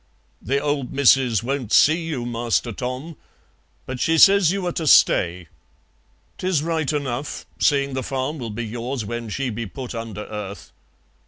"The old missus won't see you, Master Tom, but she says you are to stay. 'Tis right enough, seeing the farm will be yours when she be put under earth.